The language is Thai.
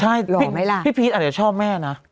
ใช่พี่พีชอาจจะชอบแม่นะ